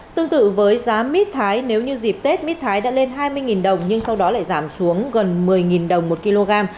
tương tự với giá mít thái nếu như dịp tết mít thái đã lên hai mươi đồng nhưng sau đó lại giảm xuống gần một mươi đồng một kg